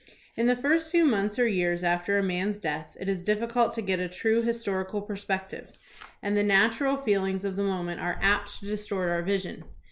In the first few months or years after a man's death it is diffi cult to get a true historical perspective, and the nat 186 THOMAS BRACKETT REED 187 ural feelings of the moment are apt to distort our vision.